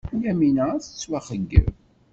Yamina ad tettwaxeyyeb.